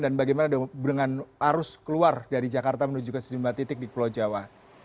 dan bagaimana dengan arus keluar dari jakarta menuju ke senjata titik di pulau jawa